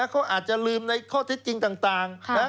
เขาอาจจะลืมในข้อเท็จจริงต่าง